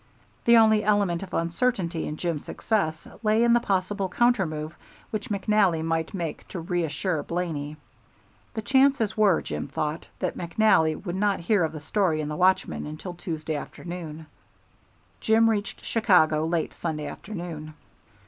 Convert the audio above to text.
The only element of uncertainty in Jim's success lay in the possible countermove which McNally might make to reassure Blaney. The chances were, Jim thought, that McNally would not hear of the story in The Watchman until Tuesday morning. Jim reached Chicago late Sunday afternoon.